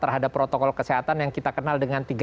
terhadap protokol kesehatan yang kita kenal dengan